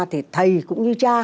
thì thầy cũng như cha